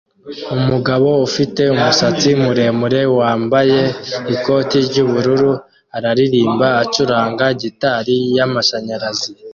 Umugabo ufite umusatsi muremure wambaye ikoti ry'ubururu araririmba acuranga gitari y'amashanyarazi